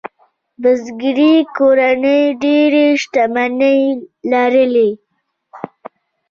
بزګري کورنۍ ډېرې شتمنۍ لرلې.